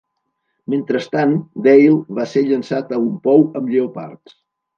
Mentrestant, Dale va ser llançat a un pou amb lleopards.